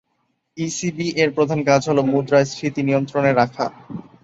ইসিবি-এর প্রধান কাজ হল মুদ্রাস্ফীতি নিয়ন্ত্রণে রাখা।